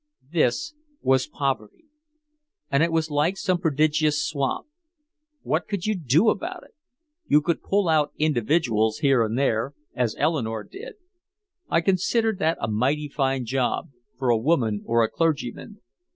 This was poverty. And it was like some prodigious swamp. What could you do about it? You could pull out individuals here and there, as Eleanore did. I considered that a mighty fine job for a woman or a clergyman.